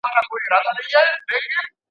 خرخو ځکه پر زمري باندي ډېر ګران وو.